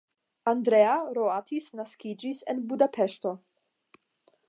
Andrea Roatis naskiĝis la en Budapeŝto.